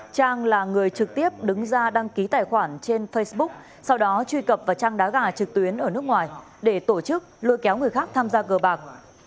trang là người trực tiếp đứng ra đăng ký tài khoản trên facebook sau đó truy cập vào trang đá gà trực tuyến ở nước ngoài để tổ chức lôi kéo người khác tham gia cờ bạc